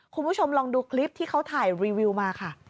คุณผู้ชมลองดูคลิปที่เขาถ่ายรีวิวมาค่ะ